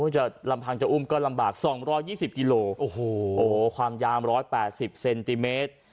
ห้างจะอุ้มก็ลำบาก๒๒๐กิโลกรัมความยาม๑๘๐เซนติเมตร